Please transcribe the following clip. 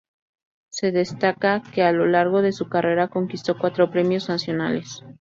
Se destaca que a lo largo de su carrera conquistó cuatro premios nacionales.